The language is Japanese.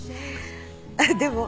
あっでも。